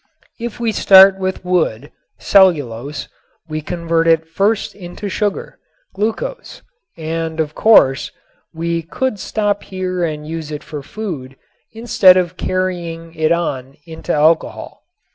If we start with wood (cellulose) we convert it first into sugar (glucose) and, of course, we could stop here and use it for food instead of carrying it on into alcohol.